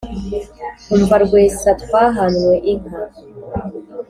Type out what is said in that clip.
umva rwesa twahanywe inka